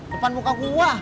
depan muka gua